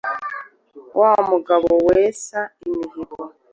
Wa Mugabo-wesa imihigo